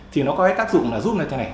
thì nó có cái tác dụng là giúp như thế này